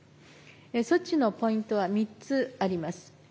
措置のポイントは３つあります。